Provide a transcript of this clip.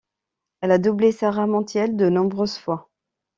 Elle a doublé Sara Montiel de nombreuses fois.